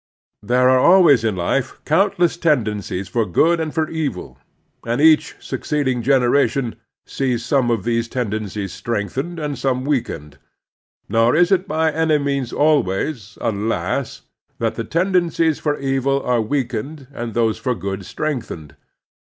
There are always in life cotmtless tendencies for good and for evil, and each succeeding generation sees some of these tendencies strengthened and some weakened ; nor is it by any means always, alas I that the tendencies for evil are weakened and those for good strengthened.